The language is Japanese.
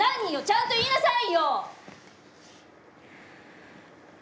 ちゃんと言いなさいよ！